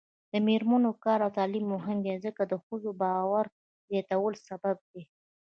د میرمنو کار او تعلیم مهم دی ځکه چې ښځو باور زیاتولو سبب دی.